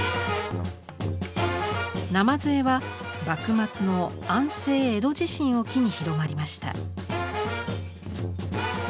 「鯰絵」は幕末の「安政江戸地震」を機に広まりました。